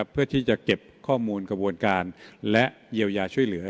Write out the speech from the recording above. เพื่อที่จะเก็บข้อมูลกระบวนการและเยียวยาช่วยเหลือ